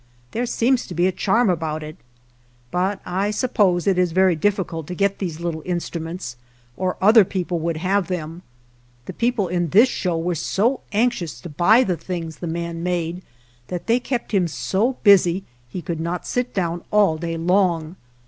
There seems to be a charm about it. But I sup pose it is very difficult to get these little instruments, or other people would have them. The people in this show were so anxious to buy the things the man made that they kept him so busy he could not sit down all day long.